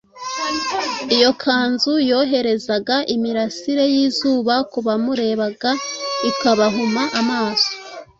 Iyo kanzu yoherezaga imirasire y’izuba ku bamurebaga ikabahuma amaso.